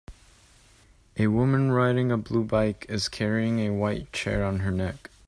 A woman riding a blue bike is carrying a white chair on her neck.